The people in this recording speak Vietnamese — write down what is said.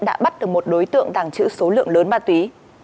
đã bắt được một đối tượng tàng trữ số lượng lớn ma túy